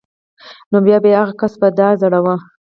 نو بیا به یې هغه کس په دار ځړاوه